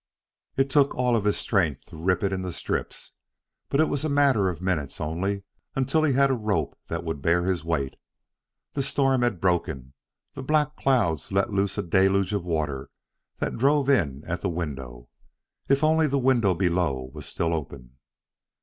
It took all of his strength to rip it into strips, but it was a matter of minutes, only, until he had a rope that would bear his weight. The storm had broken; the black clouds let loose a deluge of water that drove in at the window. If only the window below was still open!